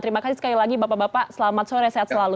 terima kasih sekali lagi bapak bapak selamat sore sehat selalu